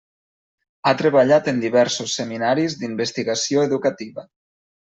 Ha treballat en diversos seminaris d'investigació educativa.